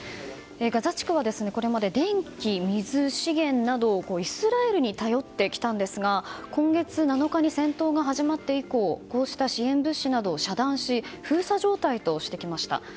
ガザ地区はこれまで電気、水、資源などイスラエルに頼ってきたんですが今月７日に戦闘が始まって以降こうした支援物資などを遮断し封鎖状態としてきました。